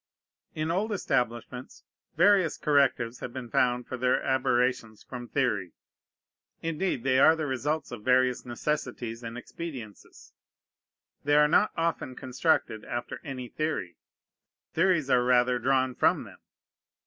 In old establishments various correctives have been found for their aberrations from theory. Indeed, they are the results of various necessities and expediences. They are not often constructed after any theory: theories are rather drawn from them.